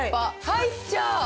入っちゃう！